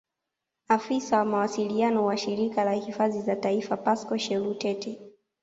Afisa wa mawasiliano wa Shirika la Hifadhi za Taifa Pascal Shelutete